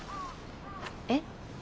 えっ？